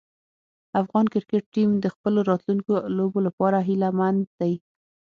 افغان کرکټ ټیم د خپلو راتلونکو لوبو لپاره هیله مند دی.